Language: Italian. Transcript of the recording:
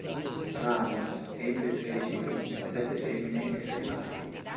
Ramos ebbe tredici figli, sette femmine e sei maschi.